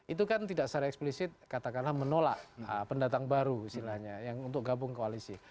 itu kan tidak secara eksplisit katakanlah menolak pendatang baru istilahnya yang untuk gabung koalisi